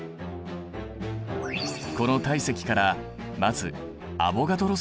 この体積からまずアボガドロ数を求める。